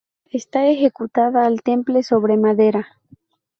Está ejecutada al temple sobre madera.